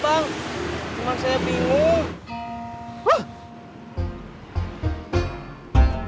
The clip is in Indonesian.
nanti ketemu prj